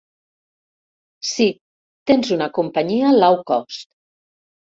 Sí, tens una companyia lowcost.